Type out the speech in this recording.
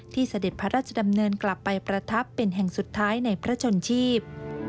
เสด็จพระราชดำเนินกลับไปประทับเป็นแห่งสุดท้ายในพระชนชีพ